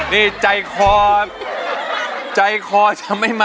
นี่ใจคอใจคอทำให้มัน